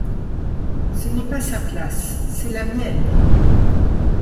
Ce n’est pas sa place, c’est la mienne.